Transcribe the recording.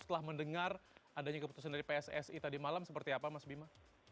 setelah mendengar adanya keputusan dari pssi tadi malam seperti apa mas bima